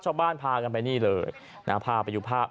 ชาวบ้านพากันไปนี่เลยหน้าภาพอายุภาพ